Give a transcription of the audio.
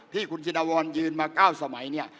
พี่คุณชินวรยืนมาเก้าสมัย